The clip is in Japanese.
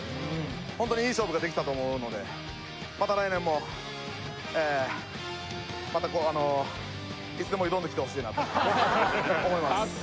ホントにいい勝負ができたと思うのでまたこうあのいつでも挑んできてほしいなと思います